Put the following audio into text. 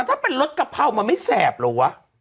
ถ้าเป็นรสกะเพรามันไม่แสบเหรอวะ